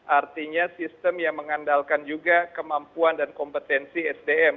artinya sistem yang mengandalkan juga kemampuan dan kompetensi sdm